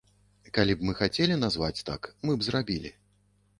Калі б мы хацелі назваць так, мы б зрабілі.